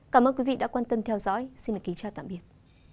cảm ơn quý vị đã quan tâm theo dõi xin kính chào tạm biệt